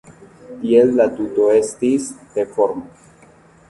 Tiel la tuto estis T-forma.